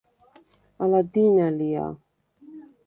ალა დი̄ნა ლია?